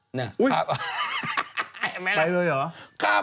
เห็นไหมละ